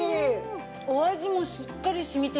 お味もしっかり染みてます。